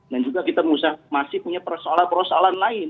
dan juga kita masih punya persoalan persoalan lain